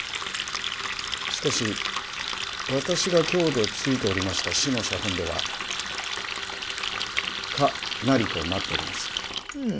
しかし私が京でついておりました師の写本では「可なり」となっております。